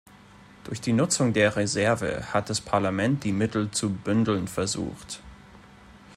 Durch die Nutzung der Reserve hat das Parlament die Mittel zu bündeln versucht.